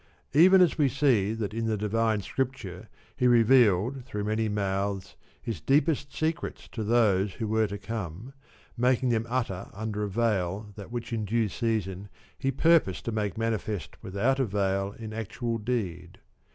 Even as we see that in the divine Scripture he revealed through many months his deepest secrets to those who were to come, making them utter under a veil that F 65 which in due reason he purposed to make manifest without a veil in actual deed.